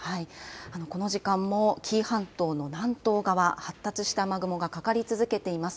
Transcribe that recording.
この時間も紀伊半島の南東側、発達した雨雲がかかり続けています。